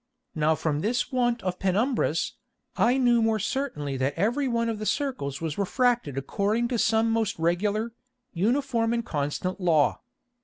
Now from this want of Penumbras, I knew more certainly that every one of the Circles was refracted according to some most regular, uniform and constant Law.